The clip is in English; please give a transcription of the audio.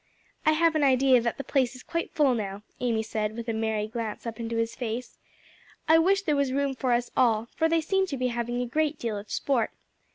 "I have an idea that the place is quite full now," Amy said, with a merry glance up into his face. "I wish there was room for us all, for they seem to be having a great deal of sport.